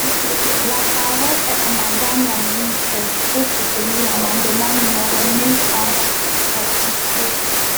La parole est à Madame la ministre, pour soutenir l’amendement numéro mille trente rectifié.